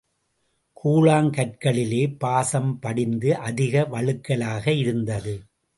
கூழாங்கற்களிலே பாசம் படிந்து அதிக வழுக்கலாக இருந்தது.